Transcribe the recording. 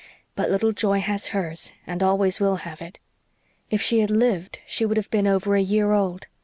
But little Joy has hers, and always will have it. If she had lived she would have been over a year old.